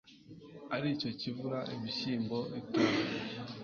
Ari cyo kivura ibishyimbo itara,